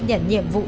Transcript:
nhận nhiệm vụ